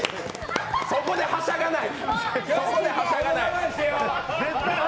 そこではしゃがない！